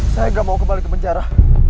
saya nggak mau kembali ke penjara